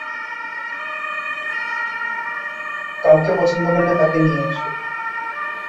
কাউকে পছন্দ করলে, তাকে নিয়ে এসো।